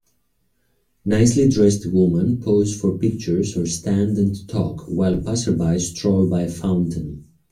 Nicely dressed woman pose for pictures or stand and talk, while passersby stroll by a fountain.